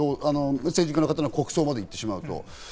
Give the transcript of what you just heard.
政治家の方の国葬まで行ってしまうと。